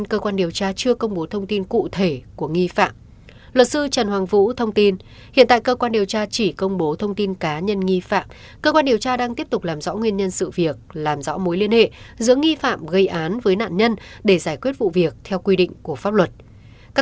cơ quan điều tra sẽ khởi tố vụ án hình sự để tiến hành điều tra làm rõ để xử lý theo quy định của pháp luật